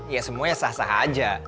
ya semuanya sah sah aja